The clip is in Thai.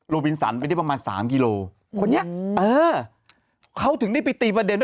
โลวินสันไปได้ประมาณ๓กิโลเมตร